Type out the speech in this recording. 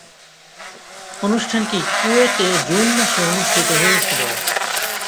অনুষ্ঠানটি কুয়েটে জুন মাসে অনুষ্ঠিত হয়েছিলো।